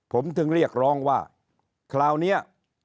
ผมถึงเรียกร้องว่าคราวนี้